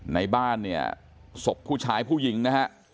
ในบ้านเนี่ยศพผู้ชายผู้หญิงนะฮะ